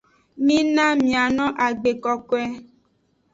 Mina miano agbe kokoe.